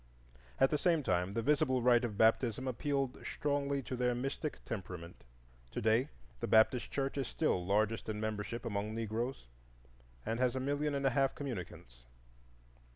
At the same time, the visible rite of baptism appealed strongly to their mystic temperament. To day the Baptist Church is still largest in membership among Negroes, and has a million and a half communicants.